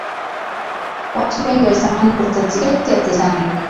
watu wengi walitamani kupata tiketi ya titanic